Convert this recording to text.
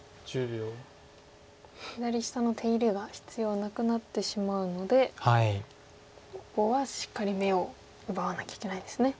左下の手入れが必要なくなってしまうのでここはしっかり眼を奪わなきゃいけないんですね。